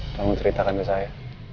kamu ceritakan ke saya